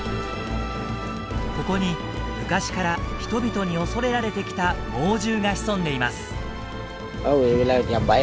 ここに昔から人々に恐れられてきた猛獣が潜んでいます。